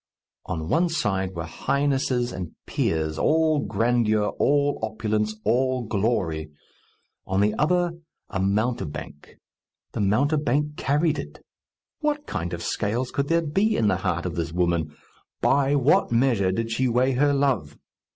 On one side were highnesses and peers, all grandeur, all opulence, all glory; on the other, a mountebank. The mountebank carried it! What kind of scales could there be in the heart of this woman? By what measure did she weigh her love?